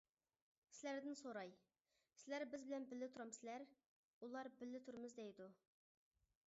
سىلەردىن سوراي: سىلەر بىز بىلەن بىللە تۇرامسىلەر؟ ئۇلار بىللە تۇرىمىز دەيدۇ.